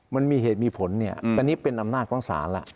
มันมีเหตุมีผลเนี่ยอันนี้เป็นอำนาจของศาลแล้ว